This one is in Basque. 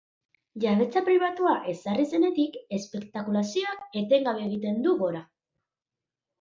Jabetza pribatua ezarri zenetik, espekulazioak etengabe egin du gora.